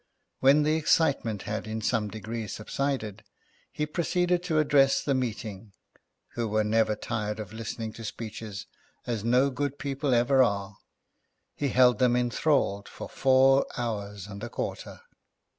When the excitement had in some degree subsided, he proceeded to address the meeting: who were never tired of listening to speeches, as no good people ever are. He held them enthralled for four hours and a quarter.